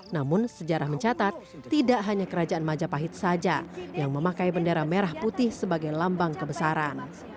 namun sejarah mencatat tidak hanya kerajaan majapahit saja yang memakai bendera merah putih sebagai lambang kebesaran